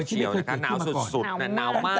โดยที่มีความสุดน่าวมาก